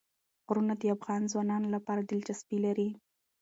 غرونه د افغان ځوانانو لپاره دلچسپي لري.